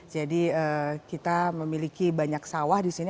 jadi kita memiliki banyak sawah di sini